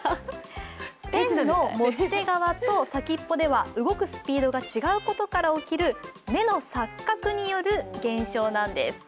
ペンの持ち手側と先っぽでは動くスピードが違うことから起きる目の錯覚による現象なんです。